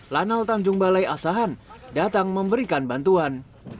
lanal tanjung balai asahan datang memberikan bantuan